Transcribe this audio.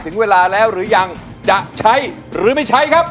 ถึงเวลาแล้วหรือยังจะใช้หรือไม่ใช้ครับ